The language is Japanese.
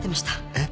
えっ？